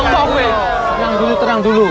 tenang dulu tenang dulu